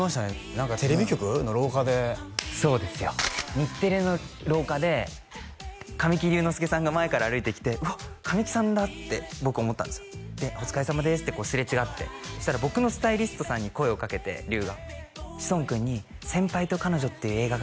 何かテレビ局の廊下でそうですよ日テレの廊下で神木隆之介さんが前から歩いてきてうわ神木さんだって僕思ったんですよで「お疲れさまです」ってこうすれ違ってそしたら僕のスタイリストさんに声をかけて隆が「志尊君に『先輩と彼女』っていう映画が」